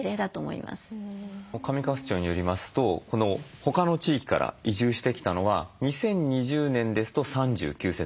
上勝町によりますと他の地域から移住してきたのは２０２０年ですと３９世帯。